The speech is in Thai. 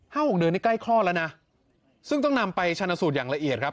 หกเดือนนี่ใกล้คลอดแล้วนะซึ่งต้องนำไปชนะสูตรอย่างละเอียดครับ